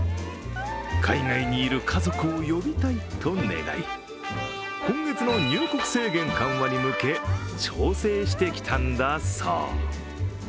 海外にいる家族を呼びたいと願い、今月の入国制限緩和に向け調整してきたんだそう。